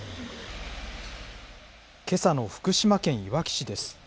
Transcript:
けさの福島県いわき市です。